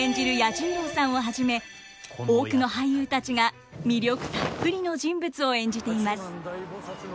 彌十郎さんをはじめ多くの俳優たちが魅力たっぷりの人物を演じています。